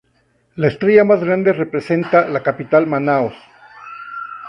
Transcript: La estrella más grande representa la capital, Manaos.